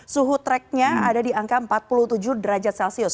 suhu tracknya ada di angka empat puluh tujuh derajat celcius